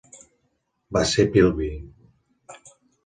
Va ser Philby.